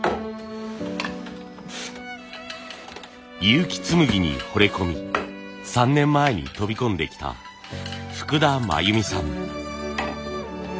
結城紬にほれ込み３年前に飛び込んできた福田真由美さん。